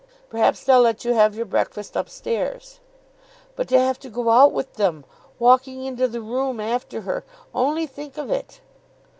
"Perhaps they'll let you have your breakfast up stairs." "But to have to go out with them; walking into the room after her! Only think of it!"